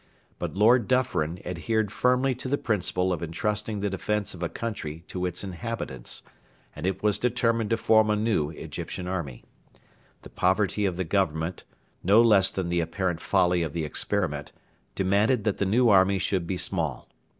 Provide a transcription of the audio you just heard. But Lord Dufferin adhered firmly to the principle of entrusting the defence of a country to its inhabitants, and it was determined to form a new Egyptian army. The poverty of the government, no less than the apparent folly of the experiment, demanded that the new army should be small.